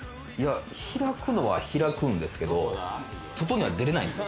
開くのは開くんですけど、外には出られないです。